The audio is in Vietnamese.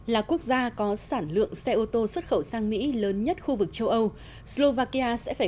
là quốc gia có sản lượng xe ô tô xuất khẩu sang mỹ lớn nhất khu vực châu âu slovakia sẽ phải